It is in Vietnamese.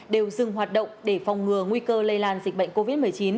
đều dừng hoạt động để phòng ngừa nguy cơ lây lan dịch bệnh covid một mươi chín